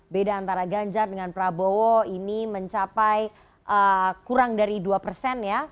beda antara ganjar dengan prabowo ini mencapai kurang dari dua persen ya